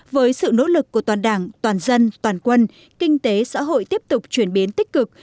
với sự nỗ lực của toàn đảng toàn dân toàn quân kinh tế xã hội tiếp tục chuyển biến tích cực